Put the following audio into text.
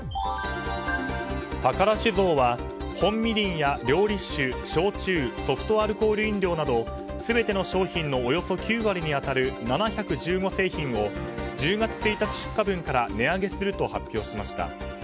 宝酒造は本みりんや料理酒焼酎、ソフトアルコール飲料など全ての商品のおよそ９割に当たる７１５製品を１０月１日出荷分から値上げすると発表しました。